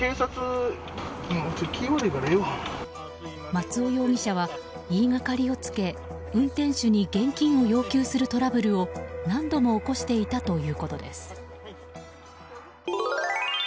松尾容疑者は言いがかりをつけ運転手に現金を要求するトラブルを、何度も起こしていたということです。